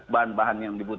bahan bahan yang tersebut